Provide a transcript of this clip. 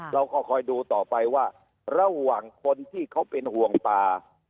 เราก็คอยดูต่อไปว่าระหว่างคนที่เขาเป็นห่วงป่า